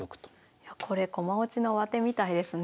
いやこれ駒落ちの上手みたいですね。